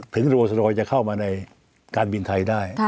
โรสดอยจะเข้ามาในการบินไทยได้